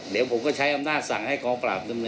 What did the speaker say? เดี๋ยวผมก็ใช้อำนาจสั่งให้กองปราบดำเนิน